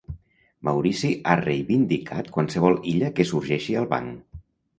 Maurici ha reivindicat qualsevol illa que sorgeixi al banc.